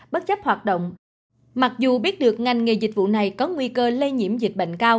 bất chấp hoạt động mặc dù biết được ngành nghề dịch vụ này có nguy cơ lây nhiễm dịch bệnh cao